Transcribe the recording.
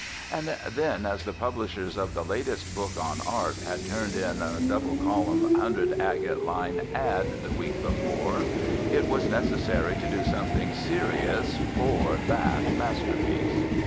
And then, as the publishers of the latest book on art had turned in a double column hundred agate line "ad" the week before, it was necessary to do something serious "for" that masterpiece.